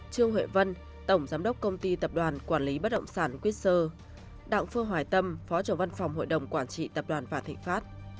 trương huệ vân tổng giám đốc công ty tập đoàn quản lý bất động sản witter đặng phương hoài tâm phó trưởng văn phòng hội đồng quản trị tập đoàn vạn thịnh pháp